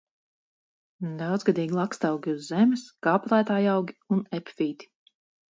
Daudzgadīgi lakstaugi uz zemes, kāpelētājaugi un epifīti.